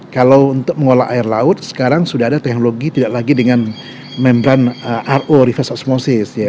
kalau untuk mengolah air laut sekarang sudah ada teknologi tidak lagi dengan membran ro reverse osmosis